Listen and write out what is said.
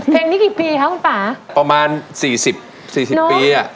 เพลงนี้กี่ปีคะคุณป่าประมาณสี่สิบสี่สิบปีอ่ะ